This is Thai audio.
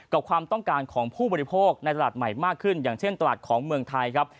ความต้องการของผู้บริโภคในตลาดใหม่มากขึ้นอย่างเช่นตลาดของเมืองไทยครับ